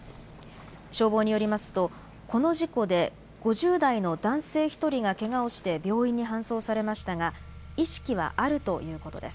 消防によりますと、この事故で５０代の男性１人がけがをして病院に搬送されましたが意識はあるということです。